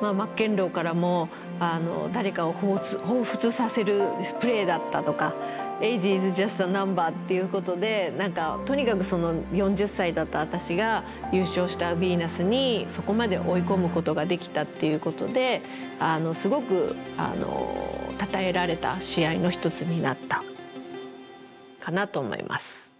マッケンローからも誰かを彷彿させるプレーだったとか。っていうことでとにかく４０歳だった私が優勝したビーナスにそこまで追い込むことができたっていうことですごくたたえられた試合の一つになったかなと思います。